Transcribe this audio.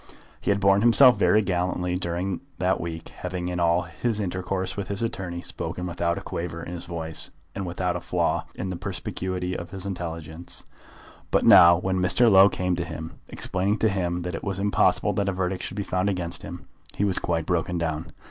He had borne himself very gallantly during that week, having in all his intercourse with his attorney, spoken without a quaver in his voice, and without a flaw in the perspicuity of his intelligence. But now, when Mr. Low came to him, explaining to him that it was impossible that a verdict should be found against him, he was quite broken down.